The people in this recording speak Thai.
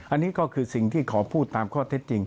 อันนี้ก็คือสิ่งที่ขอพูดตามข้อเท็จจริง